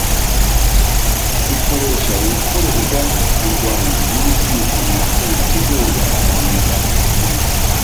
dukoresha ibikorerwa mu rwanda n’ibitumizwa mu mahanga mu rwego rwo kuzamura ubukungu